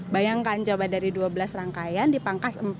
bayangkan coba dari dua belas rangkaian dipangkas